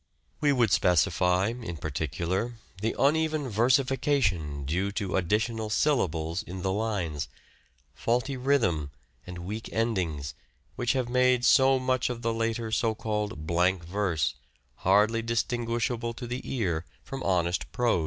We would specify, in particular, the uneven versification due to additional syllables in the lines, faulty rhythm and " weak endings," which have made so much of the later so called " blank verse " hardly distinguishable to the ear from honest prose.